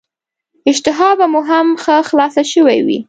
اشتها به مو هم ښه خلاصه شوې وي.